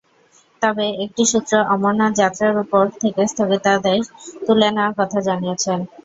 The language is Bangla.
তবে একটি সূত্র অমরনাথ যাত্রার ওপর থেকে স্থগিতাদেশ তুলে নেওয়ার কথা জানিয়েছে।